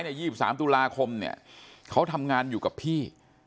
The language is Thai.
๒๓ตุลาคมเนี่ยเขาทำงานอยู่กับพี่